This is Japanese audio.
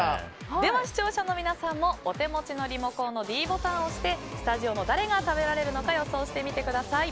では視聴者の皆さんもお手持ちのリモコンのｄボタンを押してスタジオの誰が食べられるのか予想してみてください。